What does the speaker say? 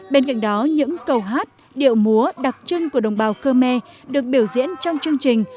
bên cạnh đó những câu hát điệu múa đặc trưng của đồng bào khơ me được biểu diễn trong chương trình